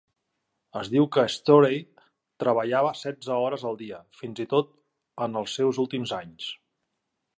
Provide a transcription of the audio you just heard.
Es diu que Storey treballava setze hores al dia, fins i tot en els seus últims anys.